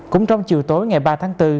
cũng trong chiều tối ngày ba tháng bốn